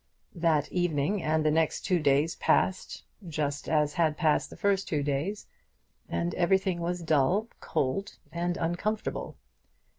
That evening and the two next days passed, just as had passed the two first days, and everything was dull, cold, and uncomfortable.